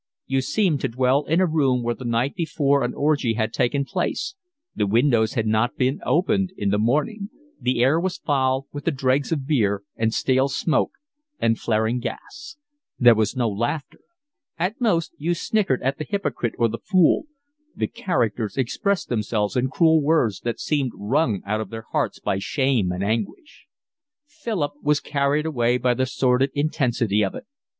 You seemed to dwell in a room where the night before an orgy had taken place: the windows had not been opened in the morning; the air was foul with the dregs of beer, and stale smoke, and flaring gas. There was no laughter. At most you sniggered at the hypocrite or the fool: the characters expressed themselves in cruel words that seemed wrung out of their hearts by shame and anguish. Philip was carried away by the sordid intensity of it.